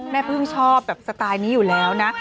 แม่พึ่งชอบแบบสไตล์นี้อยู่แล้วนะ